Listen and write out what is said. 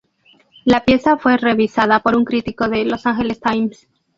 La pieza fue revisada por un crítico de "Los Angeles Times".